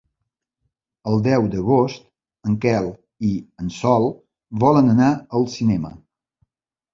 El deu d'agost en Quel i en Sol volen anar al cinema.